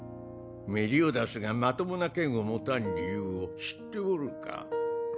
メリオダスがまともな剣を持たん理由を知っておるか？